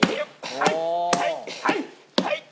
はい！